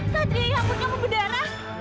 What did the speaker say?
satria ya ampun kamu berdarah